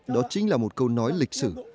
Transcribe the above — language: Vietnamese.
đó chính là một câu nói lịch sử